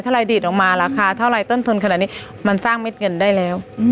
ถ้าเราดีดออกมาราคาเท่าไรต้นทุนขนาดนี้มันสร้างเม็ดเงินได้แล้ว